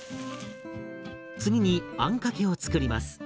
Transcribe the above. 次にあんかけを作ります。